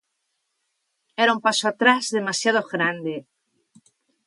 Era un paso atrás demasiado grande.